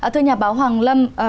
thưa nhà báo hoàng lâm